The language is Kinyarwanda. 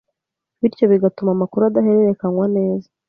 bityo bigatuma amakuru adahererekanywa neza